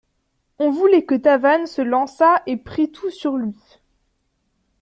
On voulait que Tavannes se lançât et prît tout sur lui.